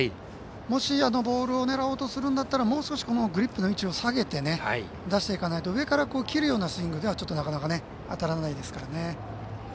もしあのボールを狙おうとするんだったらもう少しグリップの位置を下げて出していかないと上から切るようなスイングではちょっとなかなか当たらないですからね。